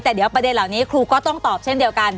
แต่เดี๋ยวประเด็นเหล่านี้ครูก็ต้องตอบเช่นเดียวกัน